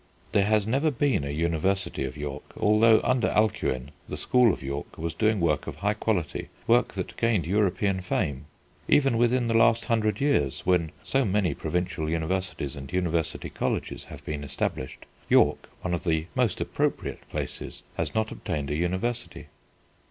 There has never been a university of York, although under Alcuin the school of York was doing work of high quality, work that gained European fame. Even within the last hundred years, when so many provincial universities and university colleges have been established, York, one of the most appropriate places, has not obtained a university.